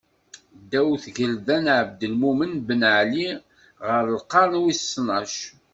Ddaw tgelda n Ɛebdelmumen Ben Ɛli ɣer lqern wis tnac.